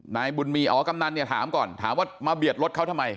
นายบุญมีอ๋อกำนันเนี่ยถามก่อนถามว่ามาเบียดรถเขาทำไม